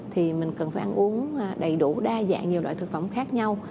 thì mình cần phải ăn uống đầy đủ đa dạng nhiều loại thực phẩm khác nhau